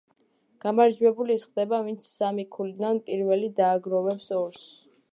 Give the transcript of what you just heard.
გამარჯვებული ის ხდება, ვინც სამი ქულიდან პირველი დააგროვებს ორს.